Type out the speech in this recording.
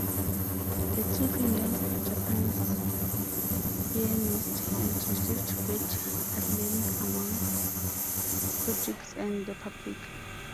The two female Japanese pianists and received great acclaim among critics and the public.